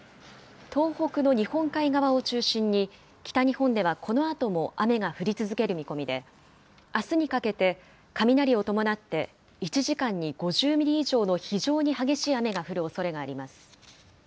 東北の日本海側を中心に、北日本ではこのあとも雨が降り続ける見込みで、あすにかけて雷を伴って、１時間に５０ミリ以上の非常に激しい雨が降るおそれがあります。